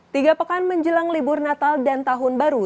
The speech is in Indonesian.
tiga pekan menjelang libur natal dan tahun baru